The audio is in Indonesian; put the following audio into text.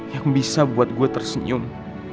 yang bisa buat gue tersenyum